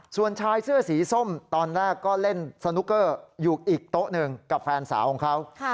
ส่วนชายเสื้อสีส้มตอนแรกก็เล่นสนุกเกอร์อยู่อีกโต๊ะหนึ่งกับแฟนสาวของเขา